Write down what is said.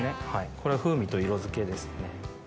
これ風味と色付けですね。